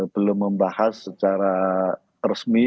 belum membahas secara resmi